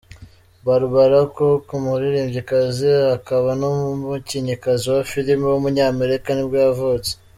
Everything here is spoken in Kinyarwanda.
Barbara Cook, umuririmbyikazi akaba n’umukinnyikazi wa filime w’umunyamerika nibwo yavutse.